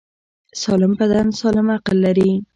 سالم بدن سالم عقل لري.